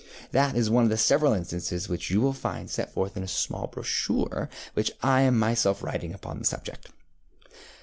That is one of several instances which you will find set forth in a small brochure which I am myself writing upon the subject.